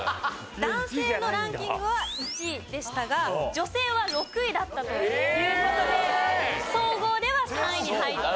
男性のランキングは１位でしたが女性は６位だったという事で総合では３位に入ったという事でした。